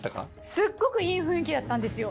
すっごくいい雰囲気だったんですよ。